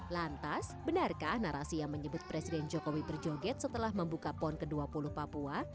lantas benarkah narasi yang menyebut presiden jokowi berjoget setelah membuka pon ke dua puluh papua